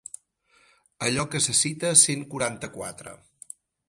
Allò que se cita cent quaranta-quatre.